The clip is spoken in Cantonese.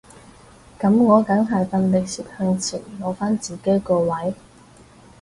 噉我梗係奮力攝向前攞返自己個位